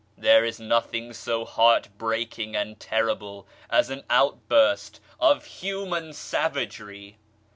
There is nothing so heart breaking and terrible as an outburst of human savagery